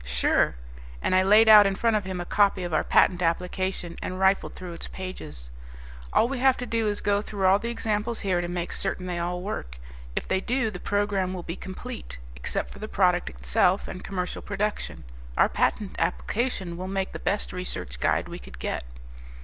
"Sure." And I laid out in front of him a copy of our patent application, and riffled through its pages. "All we have to do is go through all the examples here to make certain they all work. If they do, the program will be complete, except for the product itself and commercial production. Our patent application will make the best research guide we could get."